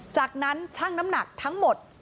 จากนั้นช่างน้ำหนักทั้งหมด